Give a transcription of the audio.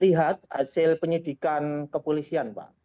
lihat hasil penyidikan kepolisian pak